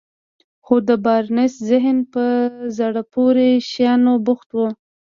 خو د بارنس ذهن په زړه پورې شيانو بوخت و.